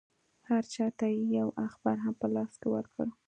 هر چا ته یې یو اخبار هم په لاس کې ورکړ.